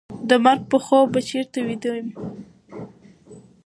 د مرګ په خوب به چېرته ویده یم